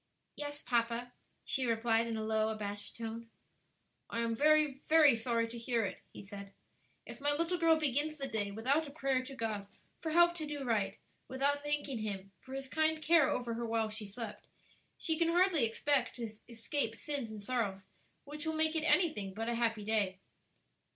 "Yes, papa," she replied, in a low, abashed tone. "I am very, very sorry to hear it," he said. "If my little girl begins the day without a prayer to God for help to do right, without thanking Him for His kind care over her while she slept, she can hardly expect to escape sins and sorrows which will make it anything but a happy day."